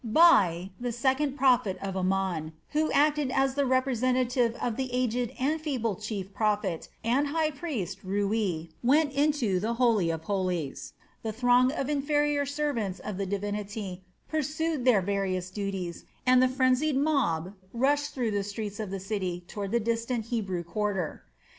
Bai, the second prophet of Amon, who acted as the representative of the aged and feeble chief prophet and high priest Rui, went into the holy of holies, the throng of inferior servants of the divinity pursued their various duties, and the frenzied mob rushed through the streets of the city towards the distant Hebrew quarter.